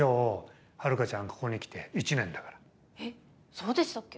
そうでしたっけ？